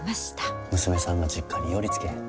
娘さんが実家に寄りつけへんて。